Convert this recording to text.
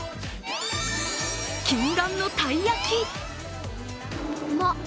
禁断のたい焼き。